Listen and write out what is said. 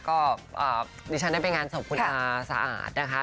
ก็ดิฉันได้ไปงานศพคุณอาสะอาดนะคะ